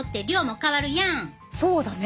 そうだね。